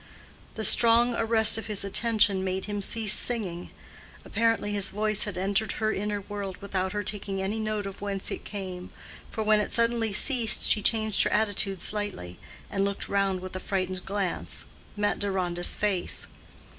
This strong arrest of his attention made him cease singing: apparently his voice had entered her inner world without her taking any note of whence it came, for when it suddenly ceased she changed her attitude slightly, and, looking round with a frightened glance, met Deronda's face.